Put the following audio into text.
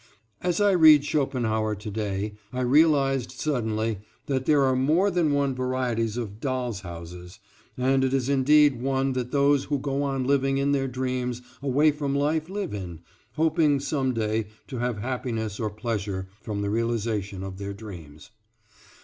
As I read Schopenhauer to day I realized suddenly that there are more than one variety of Dolls' Houses, and it is indeed one that those who go on living in their dreams away from life live in, hoping some day to have happiness or pleasure from the realization of their dreams.